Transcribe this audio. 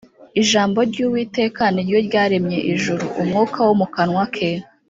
Ijambo ry’uwiteka ni ryo ryaremye ijuru, umwuka wo mu kanwa ke.